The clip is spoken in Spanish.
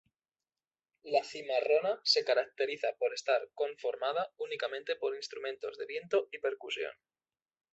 La cimarrona se caracteriza por estar conformada únicamente por instrumentos de viento y percusión.